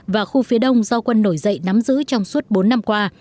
và khu phía đông do quân nổi dậy nắm giữ trong suốt bốn năm qua